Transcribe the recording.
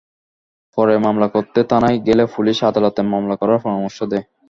পরে মামলা করতে থানায় গেলে পুলিশ আদালতে মামলা করার পরামর্শ দেয়।